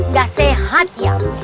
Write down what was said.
gak sehat ya